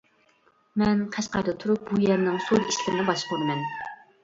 مەن قەشقەردە تۇرۇپ بۇ يەرنىڭ سودا ئىشلىرىنى باشقۇرىمەن.